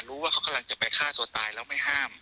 ว่าเขากำลังจะไปฆ่าตัวตายแล้วไม่ห้าม